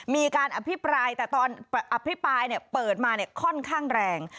มีการอภิปรายแต่ตอนอภิปรายเปิดมาค่อนข้างแรง